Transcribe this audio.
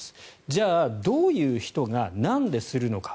じゃあ、どういう人がなんでするのか。